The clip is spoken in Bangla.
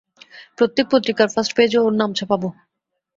প্রত্যেক পত্রিকার ফার্স্ট পেজে ওর নাম ছাপাবো।